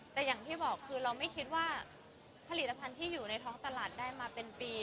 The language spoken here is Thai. แต่อย่างที่บอกคือเราไม่คิดว่าผลิตภัณฑ์ที่อยู่ในท้องตลาดได้มาเป็นปี